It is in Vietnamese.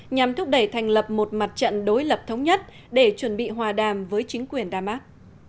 nhằm thúc đẩy thành lập một mặt trận đối lập thống nhất để chuẩn bị hòa đàm với chính quyền damas